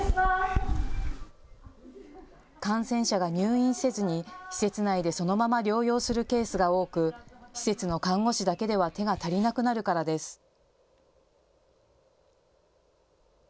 感染者が入院せずに施設内でそのまま療養するケースが多く施設の看護師だけでは手が足りなくなるからです。